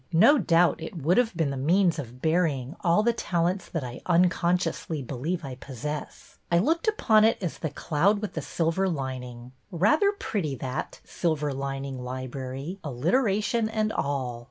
No doubt it would have been the means of burying all the talents that I ' unconsciously ' believe I possess. I look upon it all as the Cloud with the silver lining. Rather pretty, that. Silver lining library ; alliteration and all."